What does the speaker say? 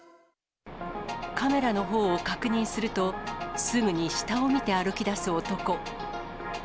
カメラのほうを確認すると、すぐに下を見て歩きだす男。